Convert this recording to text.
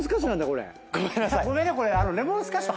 これ。